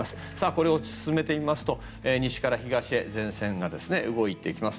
これを進めてみますと西から東へ前線が動いていきます。